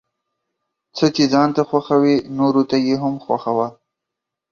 څه چې ځان ته خوښوې نوروته يې هم خوښوه ،